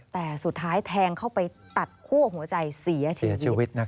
แต่สุดท้ายแทงเข้าไปตัดคั่วหัวใจเสียชีวิต